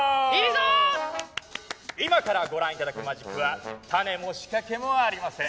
今からご覧頂くマジックはタネも仕掛けもありません。